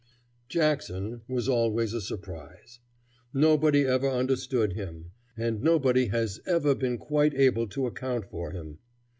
Jackson was always a surprise. Nobody ever understood him, and nobody has ever been quite able to account for him.